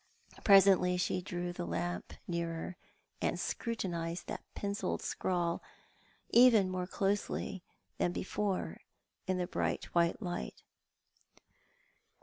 Presently she drew the lamp nearer, and scrutinised that pencilled scrawl even more closely than before in the bright ■\\hito light.